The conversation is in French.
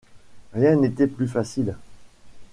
Rien n’était plus facile.